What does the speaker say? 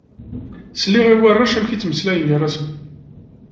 Selleɣ i warrac amek i ttmeslayen gar-asen.